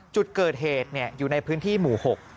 จุดเกิดเหตุอยู่ในพื้นที่หมู่๖